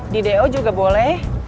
di do juga boleh